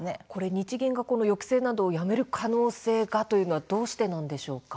日銀が抑制などをやめる可能性が、というのはどうしてなんでしょうか。